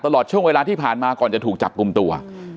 ตลอดช่วงเวลาที่ผ่านมาก่อนจะถูกจับกลุ่มตัว